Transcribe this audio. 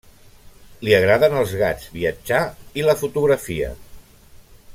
Li agraden els gats, viatjar i la fotografia.